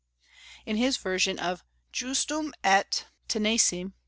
in his version of "Justum et tenacem."